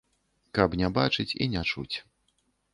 Каб не бачыць і не чуць.